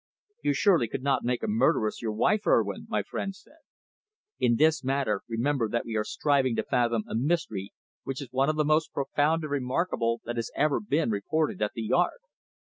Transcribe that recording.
"You surely could not make a murderess your wife, Urwin?" my friend said. "In this matter remember that we are striving to fathom a mystery which is one of the most profound and remarkable that has ever been reported at the Yard."